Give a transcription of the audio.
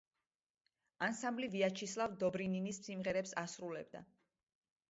ანსამბლი ვიაჩესლავ დობრინინის სიმღერებს ასრულებდა.